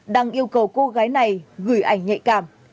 đang yêu cầu cô gái này gửi ảnh nhạy cảm